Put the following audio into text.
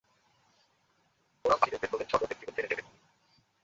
ওরা বাহিরে বের হলে ঝড় ওদের জীবন কেড়ে নেবে!